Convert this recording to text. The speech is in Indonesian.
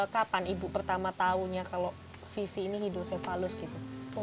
kapan ibu pertama tahunya kalau vivi ini hidrosefalus gitu